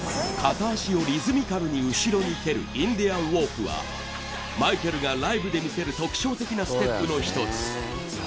片足をリズミカルに後ろに蹴るインディアンウォークはマイケルがライブで見せる特徴的なステップの１つ。